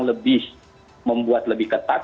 lebih membuat lebih ketat